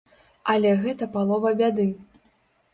Але гэта палова бяды.